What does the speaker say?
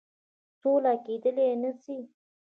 سوله کېدلای نه سي.